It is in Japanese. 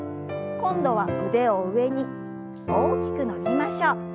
今度は腕を上に大きく伸びましょう。